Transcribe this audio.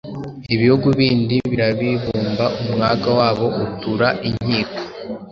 Ibihugu bindi birabibumba Umwaga wabo utura inkiko